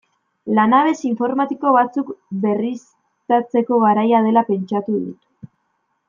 Lanabes informatiko batzuk berriztatzeko garaia dela pentsatu dut.